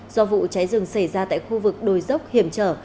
do vụ cháy rừng xảy ra tại khu vực đồi dốc hiểm trở